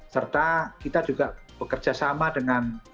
serta kita juga bekerja sama dengan